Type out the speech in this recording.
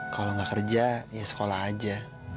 kalau nggak kerja ya sekolah aja